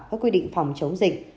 các quy định phòng chống dịch